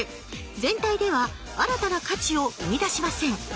全体では新たな価値をうみだしません。